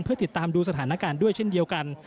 เพื่อติดตามดูสถานการณ์ด้วยเช่นเดียวกัน